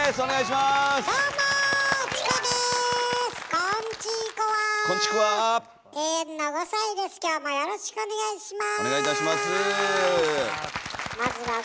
まずはよろしくお願いします。